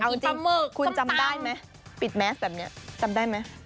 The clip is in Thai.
เอาจริงคุณจำได้ไหมปิดแมสแบบนี้จำได้ไหม